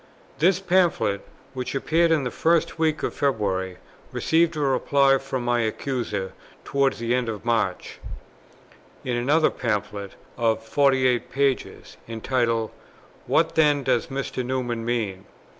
This Pamphlet, which appeared in the first weeks of February, received a reply from my accuser towards the end of March, in another Pamphlet of 48 pages, entitled, "What then does Dr. Newman mean?"